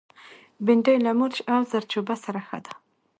بېنډۍ له مرچ او زردچوبه سره ښه ده